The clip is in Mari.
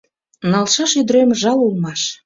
Налшаш ӱдырем жал улмаш.